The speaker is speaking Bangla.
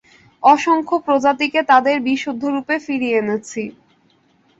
অসংখ্য প্রজাতিকে তাদের বিশুদ্ধ রূপে ফিরিয়ে এনেছি।